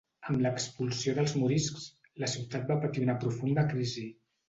Amb l'expulsió dels moriscs, la ciutat va patir una profunda crisi.